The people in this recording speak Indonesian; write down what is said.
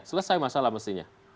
selesai masalah mestinya